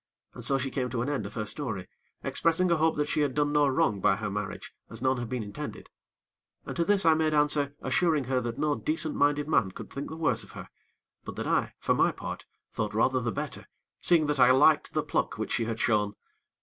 And so she came to an end of her story, expressing a hope that she had done no wrong by her marriage, as none had been intended. And to this I made answer, assuring her that no decent minded man could think the worse of her; but that I, for my part, thought rather the better, seeing that I liked the pluck which she had shown.